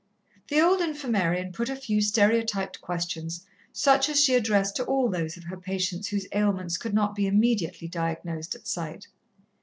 The old Infirmarian put a few stereotyped questions such as she addressed to all those of her patients whose ailments could not be immediately diagnosed at sight.